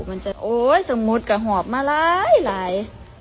มันจะโอ๊ยสมมุติก็หอบมาหลาย